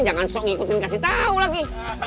jangan sok ngikutin kasih tahu lagi